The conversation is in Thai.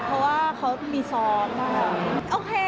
เพราะว่าเขามีซ้อนมากโอเค